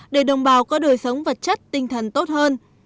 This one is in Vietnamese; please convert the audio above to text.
để đồng bào có đời sống vật chất tinh thần tốt hơn